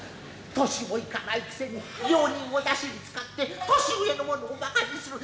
年も行かないくせに病人をだしに使って年上の者をばかにする。